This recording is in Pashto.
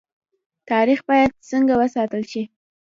تاریخ باید څنګه وساتل شي؟